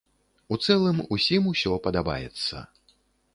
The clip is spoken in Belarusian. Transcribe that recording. У цэлым ўсім усё падабаецца.